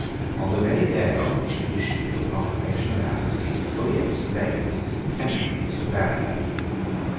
On the very day on which he issued the proclamation of amnesty, he fully explained his intentions to Barillon.